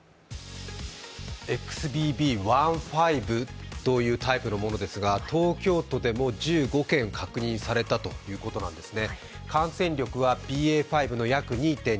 ＸＢＢ．１．５というタイプのものですが東京都でも１５件確認されたということなんですね。